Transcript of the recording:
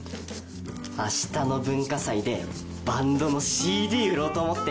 明日の文化祭でバンドのＣＤ売ろうと思って。